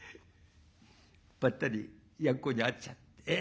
ばったりやっこに会っちゃって。